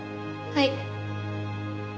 はい。